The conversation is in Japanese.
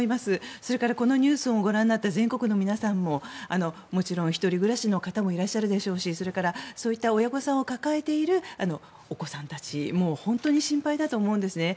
それから、このニュースをご覧になった全国の皆さんももちろん１人暮らしの方もいらっしゃるでしょうしそれから、そういった親御さんを抱えているお子さんたちも本当に心配だと思うんですね。